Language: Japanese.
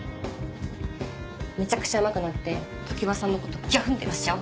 めちゃくちゃうまくなって常葉さんのことギャフンと言わせちゃおう！